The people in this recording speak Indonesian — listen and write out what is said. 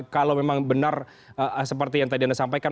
kalau memang benar seperti yang tadi anda sampaikan